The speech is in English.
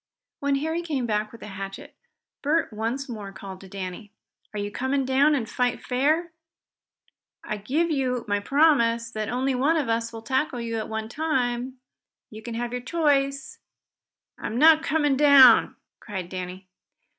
When Harry came back with the hatchet Bert once more called to Danny. "Are you coming down and fight fair? I give you my promise that only one of us will tackle you at a time. You can have your choice." "I'm not coming down!" cried Danny.